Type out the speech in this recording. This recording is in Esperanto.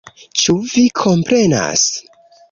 Ĉu vi komprenas??